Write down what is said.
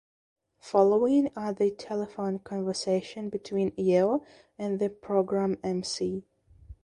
Following are the telephone conversation between Yeo and the programme emcee.